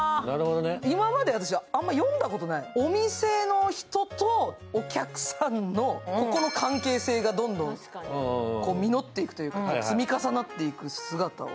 今まで私、あんまり読んだことない、お店の人とお客さんの関係性が実っていく、積み重なっていく姿を。